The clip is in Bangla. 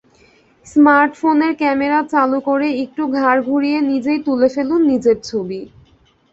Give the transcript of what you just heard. স্মার্টফোনের ক্যামেরা চালু করে একটু ঘাড় ঘুরিয়ে নিজেই তুলে ফেলুন নিজের ছবি।